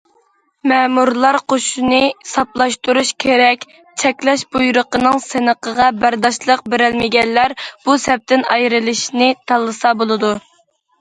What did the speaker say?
مەمۇرلار قوشۇنىنى ساپلاشتۇرۇش كېرەك، چەكلەش بۇيرۇقىنىڭ سىنىقىغا بەرداشلىق بېرەلمىگەنلەر بۇ سەپتىن ئايرىلىشنى تاللىسا بولىدۇ.